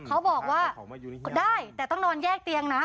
เขาบอกว่าได้แต่ต้องนอนแยกเตียงนะ